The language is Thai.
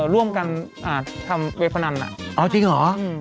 ร่วมกันทำเว็บพนันอ๋อจริงเหรอ